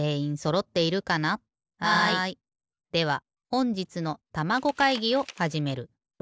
ではほんじつのたまご会議をはじめる。